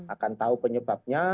akan tahu penyebabnya